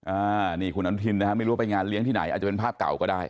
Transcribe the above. อ่านี่คุณอนุทินนะฮะไม่รู้ว่าไปงานเลี้ยงที่ไหนอาจจะเป็นภาพเก่าก็ได้